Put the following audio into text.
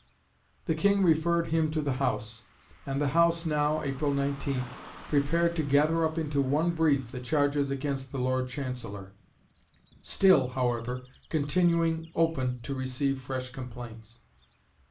The King referred him to the House; and the House now (April 19th) prepared to gather up into "one brief" the charges against the Lord Chancellor, still, however, continuing open to receive fresh complaints.